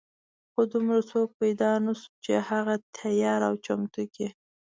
خو دومره څوک پیدا نه شو چې هغه تیار او چمتو کړي.